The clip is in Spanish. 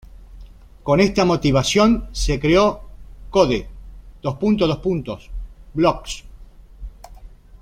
Con esta motivación se creó Code::Blocks.